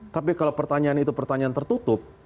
tapi kalau pertanyaan itu pertanyaan tertutup